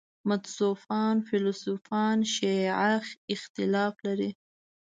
متصوفان فیلسوفان شیعه اختلاف لري.